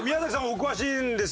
お詳しいんですよね？